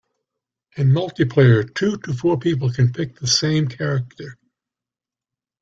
In multiplayer, two to four people can pick the same character.